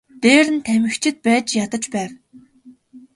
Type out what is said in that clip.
Дээр нь тамхичид байж ядаж байв.